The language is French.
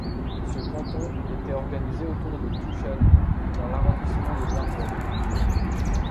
Ce canton était organisé autour de Tuchan dans l'arrondissement de Narbonne.